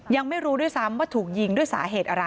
ยังไม่รู้ด้วยซ้ำว่าถูกยิงด้วยสาเหตุอะไร